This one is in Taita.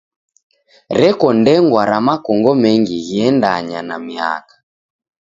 Reko ndengwa ra makongo mengi ghiendanyaa na miaka.